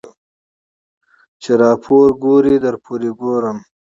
ـ چې راپورې ګورې درپورې ګورم.